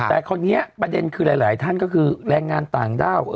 แต่คราวนี้ประเด็นคือหลายท่านก็คือแรงงานต่างด้าว